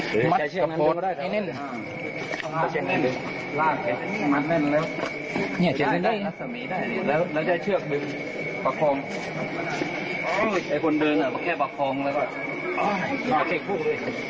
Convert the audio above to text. แล้วจะเชือกดึงประคม